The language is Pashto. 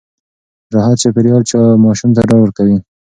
راحت چاپېريال ماشوم ته ډاډ ورکوي.